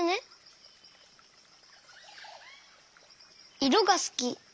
いろがすき。